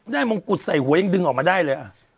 มงกุฎใส่หัวยังดึงออกมาได้เลย